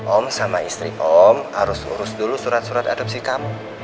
om sama istri om harus urus dulu surat surat adopsi kamu